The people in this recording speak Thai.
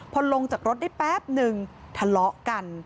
พอลงจากรถได้แป๊บนึงทะเลาะกัน